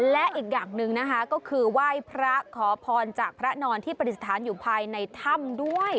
และอีกอย่างหนึ่งนะคะก็คือไหว้พระขอพรจากพระนอนที่ปฏิสถานอยู่ภายในถ้ำด้วย